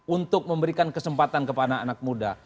untuk memberikan kesempatan kepada anak muda